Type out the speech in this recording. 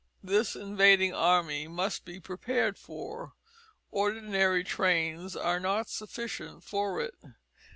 This invading army must be prepared for. Ordinary trains are not sufficient for it.